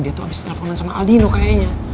dia tuh abis teleponan sama aldino kayaknya